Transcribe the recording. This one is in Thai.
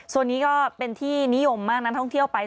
ส่วนนี้ก็เป็นที่นิยมมากนักท่องเที่ยวไป